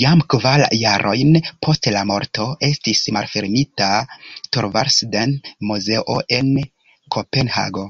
Jam kvar jarojn post la morto estis malfermita Thorvaldsen-muzeo en Kopenhago.